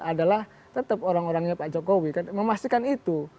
adalah tetap orang orangnya pak jokowi memastikan itu